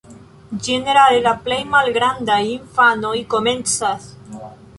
Ĝenerale la plej malgrandaj infanoj komencas.